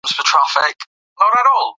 یوه څېړنه ښایي د فقر کچه معلومه کړي.